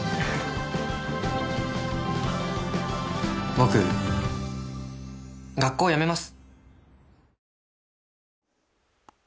僕学校辞めます。